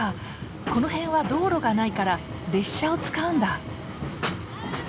この辺は道路がないから列車を使うんだ。